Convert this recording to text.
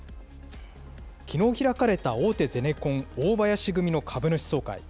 きのう開かれた大手ゼネコン、大林組の株主総会。